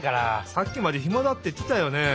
さっきまで「ひまだ」っていってたよね。